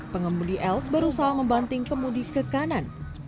pengemudi elf berusaha membanting kemudi ke kanan